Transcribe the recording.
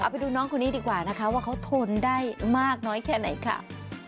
ไปดูน้องคนนี้ดีกว่านะคะว่าเขาทนได้มากน้อยแค่ไหนค่ะ